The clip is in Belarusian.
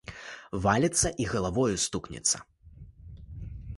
Валіцца і галавою стукнецца.